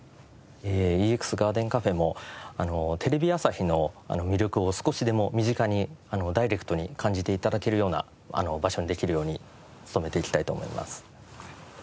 ＥＸＧＡＲＤＥＮＣＡＦＥもテレビ朝日の魅力を少しでも身近にダイレクトに感じて頂けるような場所にできるように努めていきたいと思います。